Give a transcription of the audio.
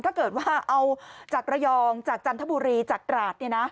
ถ้าเกิดว่าเอาจากระยองจากจันทบุรีจากตราด